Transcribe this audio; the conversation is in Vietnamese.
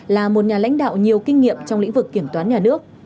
là một nhà lãnh đạo nhiều kinh nghiệm trong lĩnh vực kiểm toán nhà nước